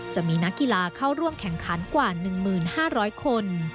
จะมีนักกีฬาเข้าร่วมแข่งขันกว่า๑๕๐๐คน